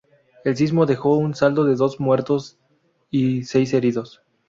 El sismo dejó un saldo de dos muertos y seis heridos.